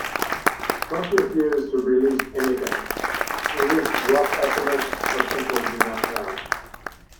Most refuse to release anything, release rough estimates or simply do not know.